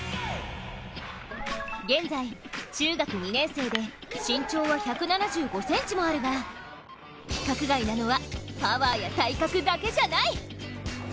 現在、中学２年生で身長は１７５ｃｍもあるが規格外なのはパワーや体格だけじゃない。